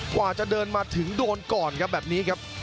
กว่าจะเดินมาถึงโดนก่อนครับแบบนี้ครับ